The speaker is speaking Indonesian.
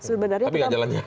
tapi nggak jalan jalan